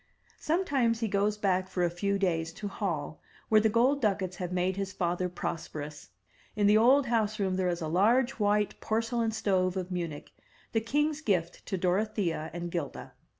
Sometimes he goes back for a few days to Hall, where the gold ducats have made his father prosperous. In the old house room there is a large white por celain stove of Munich, the king's gift to Dorothea and 'Gilda.